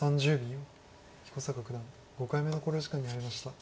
彦坂九段５回目の考慮時間に入りました。